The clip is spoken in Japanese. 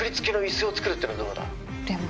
でも。